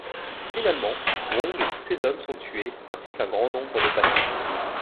Finalement Wong et tous ses hommes sont tués, ainsi qu'un grand nombre de patients.